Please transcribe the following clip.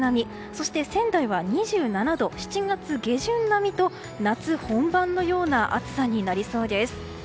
そして、仙台は２７度７月下旬並みと夏本番のような暑さになりそうです。